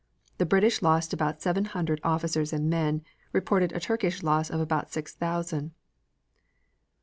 The British lost about seven hundred officers and men, reported a Turkish loss of about six thousand.